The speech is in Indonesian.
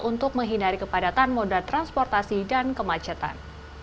untuk menghindari kepadatan moda transportasi dan kemacetan